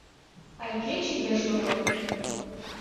А игече пеш мотор.